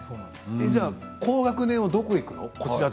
高学年はどこに行くの？